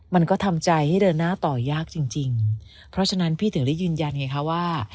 มันก็ทำใจให้เดินหน้าต่อยากจริงจริงเพราะฉะนั้นพี่ถึงได้ยืนยันไงคะว่า